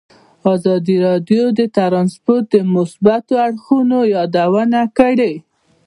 ازادي راډیو د ترانسپورټ د مثبتو اړخونو یادونه کړې.